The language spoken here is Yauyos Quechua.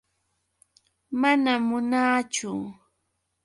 Manam munaachu.